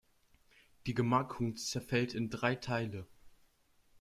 Die Gemarkung zerfällt in drei Teile.